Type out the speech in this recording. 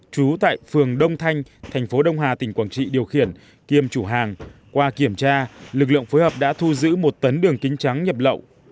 trú tại phường đông thanh thành phố đông hà tỉnh quảng trị điều khiển kiêm chủ hàng qua kiểm tra lực lượng phối hợp đã thu giữ một tấn đường kính trắng nhập lậu